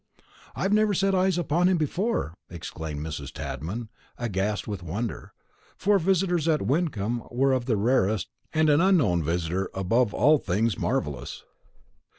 "I never set eyes upon him before," exclaimed Mrs. Tadman, aghast with wonder; for visitors at Wyncomb were of the rarest, and an unknown visitor above all things marvellous.